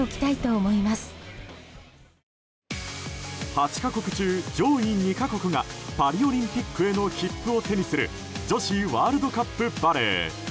８か国中、上位２か国がパリオリンピックへの切符を手にする女子ワールドカップバレー。